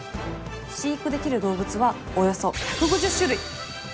飼育できる動物はおよそ１５０種類。